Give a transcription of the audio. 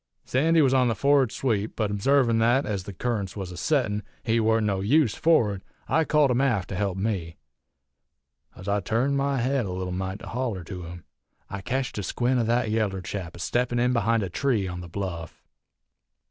Sandy was on the forrard sweep, but obsarvin' thet, ez the currents was a settin', he warn't no use forrard, I called him aft to help me. Ez I turned my head a leetle mite to holler to him I ketched a squint o' that yaller chap a steppin' in behind a tree on the bluff.